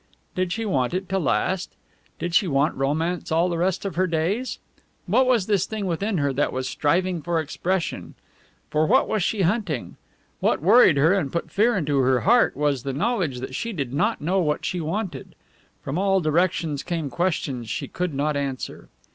Did she want it to last? Did she want romance all the rest of her days? What was this thing within her that was striving for expression? For what was she hunting? What worried her and put fear into her heart was the knowledge that she did not know what she wanted. From all directions came questions she could not answer.